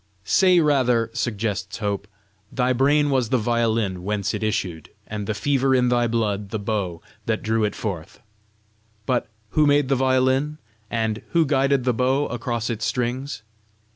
"Say rather," suggests Hope, "thy brain was the violin whence it issued, and the fever in thy blood the bow that drew it forth. But who made the violin? and who guided the bow across its strings?